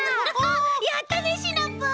やったねシナプー！